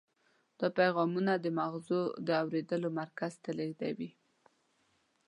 دا پیغامونه د مغزو د اورېدلو مرکز ته لیږدوي.